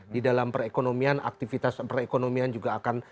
di dalam perekonomian aktivitas perekonomian juga akan